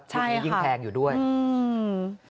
เจ้าของห้องเช่าโพสต์คลิปนี้